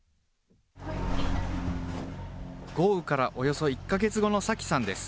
豪雨からおよそ１か月後の紗季さんです。